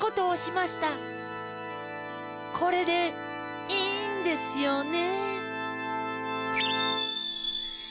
これでいいんですよね。